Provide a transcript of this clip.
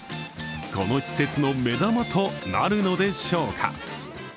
この施設の目玉となるのでしょうか。